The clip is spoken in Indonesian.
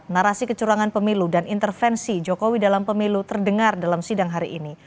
narasi kecurangan pemilu dan intervensi jokowi dalam pemilu terdengar dalam sidang hari ini